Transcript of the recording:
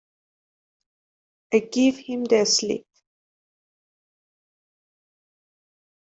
I give him the slip.